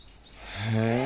へえ。